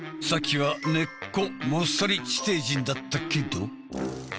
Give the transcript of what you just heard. さっきは根っこもっさり地底人だったけど。